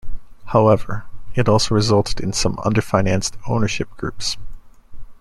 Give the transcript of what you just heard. However, it also resulted in some under-financed ownership groups.